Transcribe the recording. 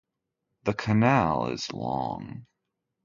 The canal is long.